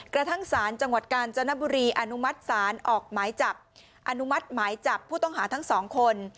กระทั่งสารจังหวัดกาญจนบุรีอนุมัติศาลออกหมายจับอนุมัติหมายจับผู้ต้องหาทั้งสองคน